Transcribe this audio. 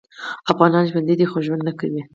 افغانان ژوندي دي خو ژوند نکوي